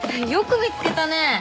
よく見つけたね！